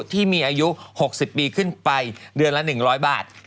ที่มีอายุ๖๐ปีขึ้นไปเดือนละ๑๐๐บาท